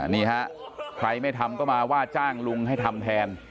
นี่ฮะใครไม่ทำก็มาว่าจ้างลุงให้ทำแทน